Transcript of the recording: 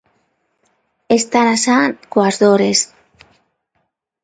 _Está xa coas dores...